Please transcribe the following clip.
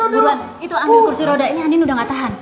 burwan itu ambil kursi roda ini andin udah gak tahan